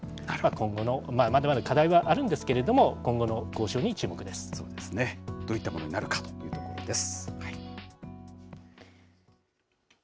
今後の、まだまだ課題はあるんですけれども、今後の交渉に注目でそうですね。どういったものになるか、見どころです。